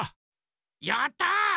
やった！